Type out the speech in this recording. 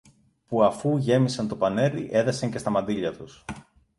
που αφού γέμισαν το πανέρι, έδεσαν και στα μαντίλια τους.